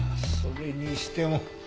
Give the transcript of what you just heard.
それにしても。